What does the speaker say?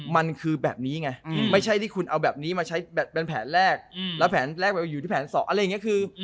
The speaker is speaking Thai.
มันคือแบบนี้ไงไม่ใช่ที่คุณเอาแบบนี้มาใช้แบบเป็นแผนแรกแล้วแผนแรกอยู่ที่แผน๒อะไรอย่างนี้คือ